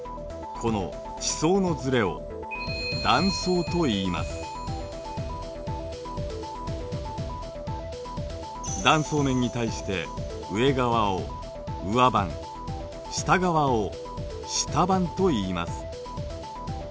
この地層のずれを断層面に対して上側を上盤下側を下盤といいます。